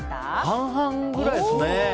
半々ぐらいですね。